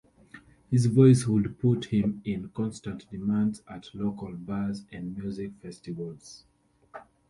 His voice would put him in constant demand at local bars and music festivals.